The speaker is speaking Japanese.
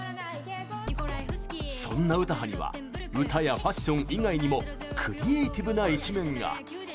そんな詩羽には歌やファッション以外にもクリエイティブな一面が。